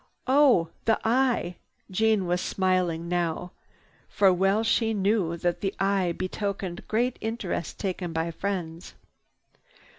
"Oh! The Eye!" Jeanne was smiling now, for well she knew that the Eye betokened great interest taken by friends.